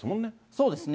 そうですね。